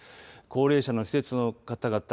高齢者の施設の方々